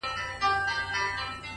هره تجربه د ژوند نوې پوهه راوړي!